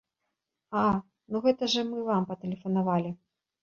А, ну гэта жа мы вам патэлефанавалі.